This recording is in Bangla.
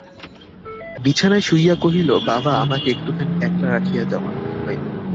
বিছানায় শুইয়া কহিল, বাবা, আমাকে একটুখানি একলা রাখিয়া যাও, আমি ঘুমাইব।